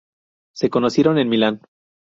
Se conocieron en Milán.